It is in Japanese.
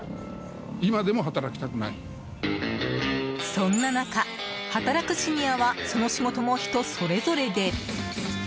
そんな中、働くシニアはその仕事も人それぞれで。